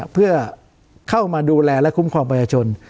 เพื่อเข้ามาดูแลและคุ้มครองประชาชน